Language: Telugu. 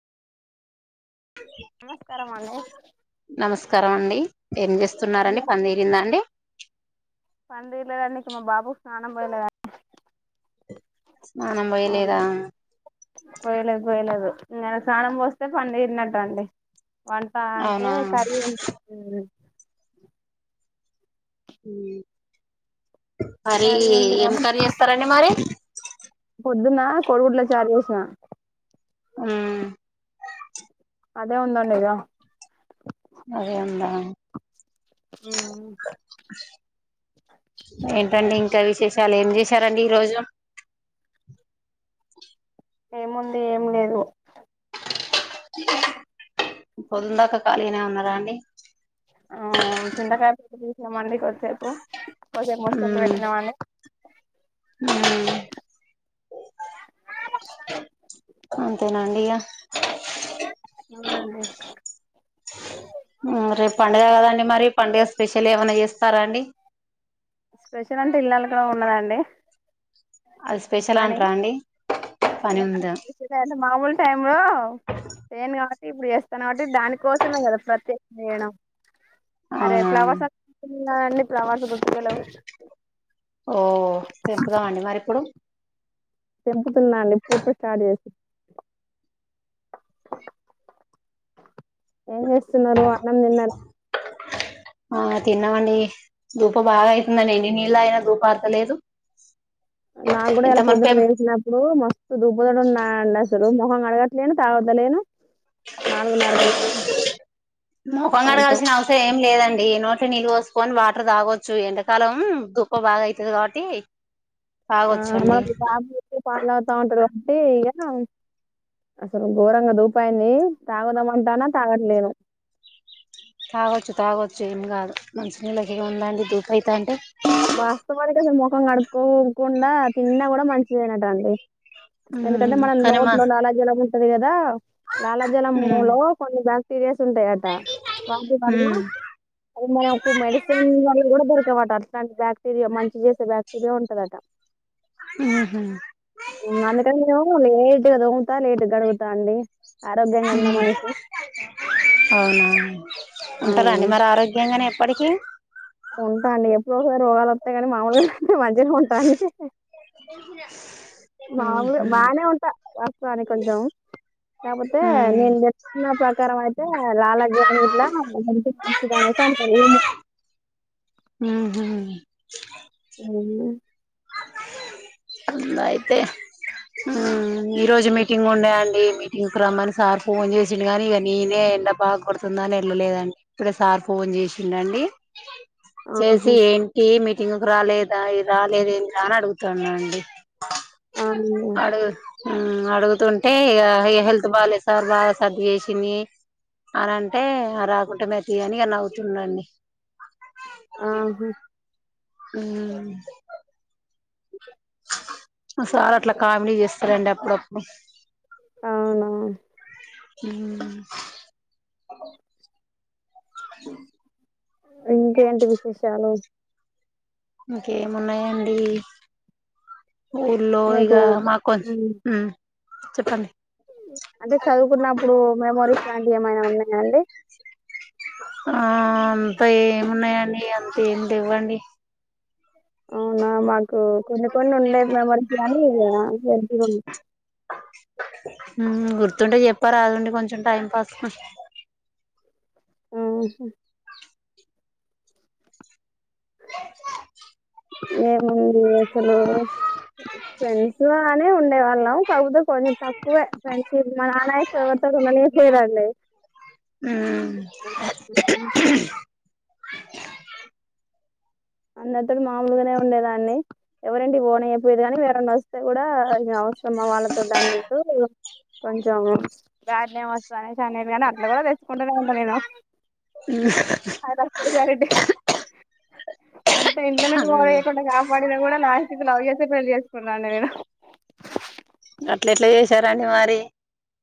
నమస్కారం అండి నమస్కారం అండి ఏం ఏం చేస్తున్నారండి పని తీరిందా చేస్తున్నారు అండి [unintelligible] మా బాబుకు స్నానం పోలేదడి స్నానం పోయలేదా ఇను స్నానం పోస్తే పండుగరిన్నట్టఅండి వంట అంటే అవునా కర్రీ ఉంది ఉమ్ మరి కర్రీ ఉంది ఏం పని చేస్తారండి మరి పొద్దున్న కొడుగుడ్ల చారు చేసినా ఉమ్ అదే ఉందండి ఇద అదే ఉందా ఏంటండీ ఇంకా విశేషాలు చాలా ఏం చేశారండి ఈ రోజు ఏముంది ఏం లేదు పొద్దున దాకా ఖాళీనే ఉన్నారా అండి ఆ చింతకాయ వాచేసం అండి కొద్దిసేపు కొద్దిసేపు ముచ్చట్లు పెట్టినామండి ఉమ్ అంతేనండి ఇక అవునండి రేపు పండుగ కదండి మరి పండుగ స్పెషల్ ఏమన్నా చేస్తారా అండి స్పెషల్ అంటే ఇల్లు అలకడం ఉన్నదండి అది స్పెషల్ అంటార అండి ఇ పని ఉందా నా అ మాముూలు టైంలో ఏన్ కా ఇపుడు చెస్తువ నా అ దానికోసమే కదా ప్రత్యేక వేడం అరే అవునా ఫ్లవర్స్ అన్ని ప్రవాస ఓ తెంపుదామ అండి మరి ఇప్పుడు తెంపుతున్న అండి ఇప్పుడు చూపిస్తా ఒకటి ఏం చేస్తున్నారు అన్నం తిన్నారా ఆ తిన్నామండి ధూప బాగా అయితుందండి ఎన్ని నీళ్ళు అయినా దూప అడతలేదు నాకు కూడా ఇలా పొద్దున వేసినప్పుడు మస్తు దుప్పదడు ఉన్నా అండి అసలు మొహం కడగట్లేను తగుతలేను దాంతో కొనాల్సిన అవసరం ఏం లేదండి ఈ నోట్ ఈ నీళ్ళు కోసుకొని వాటర్ తాగొచ్చు ఎడాకాలం ధుకం బాగా అవుతుది కాబట్టి ఆ తాగొచ్చండి పలావుతా ఉంటారు అంటే ఇక అసలు ఘోరంగ దూపాయిన్ని తాగదాంమంటానా తాగట్లేను తాగొచ్చు తాగొచ్చు ఏం కాదు మంచి నీళ్లకిగా ఏం ఉందండి దూపైత అంటే తకుండా తిన్నాడ కూడా మంచిదేనటండి ఎందుకంటే ఉమ్ మనం కానీ మా నోట్లో లాలాజలం వస్తుది కదా లాలాజలం ఉమ్ మూలో కొన్ని సార్లు సీరియస్ ఉంటాయట వాటి వల్ల ఉమ్ అ మ మెడిసిన్ వల్ కూడా ద వాటారు ా [unintelligible] యా మంచి చేసే బ్యాక్టీరియా ఉన్ దట [unintelligible] ఉహు హమ్ అందుకని నిను లేటుగా తోముతా లేటు కడుగుతా అండి ఆరోగ్యంగా హమ్ ఉందాం అనేసి. అవునా అండి ఆ! ఉంటారండి మరి ఆరోగ్యంగానే ఎప్పటి ఓక [unintelligible] గా [unintelligible] కానీ మాములు గా మేం మంచిగానే ఉన్ మాములుగా ఉహు బానే ఉంటా [unintelligible] కానీ కొంచం కాకపోతే ఉమ్ నేను చెప్పిన ప్రకారం అయితే లాల జలం గిట్లా మంచి మంచిది అనేసి అంటారు ఉమ్ము హు మ్ హు ఆమ్మె అంద అయితే ఈరోజు మీటింగ్ ఉండేయండి మీటింగ్కి రమ్మని సార్ ఫోన్ చేసిండు కాని ఇక నేనే ఎండ బాగా కొడుతుందని వెళ్ళలేదండి ఇప్పుడే సార్ ఫోన్ చేసిండు అండి చేసి ఆహా ఏంటి మీటింగ్ కు రాలేదు రాలేదెందిరా అని అడుగుతాండూ అండి అవునా అడుగు హు అడుగుతు ఉంన్ అంటే ఇగ హెల్త్ బాగాలేదు సార్ బాగా సర్ది చేేసింది అని అంటే రాకుంటే మాయేతి అనీ ఇగ అవుతుండండి [inaudible] ఆహా ఉమ్ సార్ అట్లా కామెడీ చేస్తారండి అప్పుడప్ అవునా ఇంకేంటి విశేషాలు కేమున్నాయండి ఊర్లో మీకు ఇగా మాకొంచ్ మ్మ్ హు చెప్పండి అంటే చదువుకున్నప్పుడు మెమోరీస్ లాంటివి ఏమైనా ఉన్నాయా అండి ఆ అంత ఏమున్నాయం అంత ఏం లేవండి అవునా మాకు కొన్ని కొన్ని ఉండే మెమరీస్ గానీ [inaudible] గుర్తుంటే చెప్పా రాదండి కొంచెం టైం పాస్ ఊ హు ఏముంది అసలు ఫ్రెండ్స్ లానే ఉండే వాళ్ళం కాకపోతే కొంచెం తక్కువే ఫ్రెండ్షిప్ మా నానాయవతోకునే పోయిళ్లే ఉమ్ అందరితోటి మామలుగానే ఉండేదాన్ని ఎవరేంటి ఓన్ అయ్యపోయేది కానీ వేరనా వస్తే కూడా ఇ సమ్మ వాళ్ళతో అన్నట్టు కొంచెం గడ సషా అ ంటన్నామేనా అప్పడు చారి ఎంత ఇంటర్నేట్ పోడయకుండా కాపాడనా కూడా నా స్థతి లవ చేసే పెళ్లి చేస్త కొన్నాన్నదేడం అట్లెట్లు చేసారడి మరి